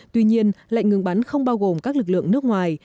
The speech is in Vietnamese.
tuy nhiên lệnh ngừng bắn không bao gồm các lực lượng nước ngoài